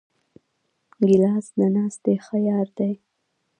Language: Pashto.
ګیلاس د ناستې ښه یار دی.